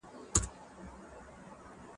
هغه څوک چي پوښتنه کوي پوهه اخلي.